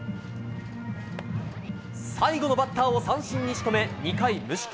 最後のバッターを三振に仕留め無失点。